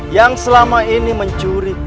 yang selama ini mencuri